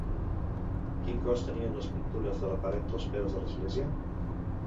Quin cost tenien les pintures de la paret dels peus de l'església?